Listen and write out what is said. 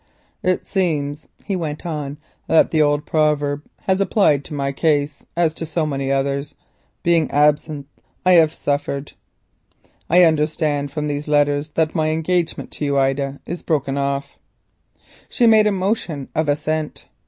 "It seems," he went on, "that the old proverb has applied to my case as to so many others—being absent I have suffered. I understand from these letters that my engagement to you, Miss de la Molle, is broken off." She made a motion of assent.